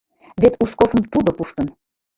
— Вет Узковым тудо пуштын.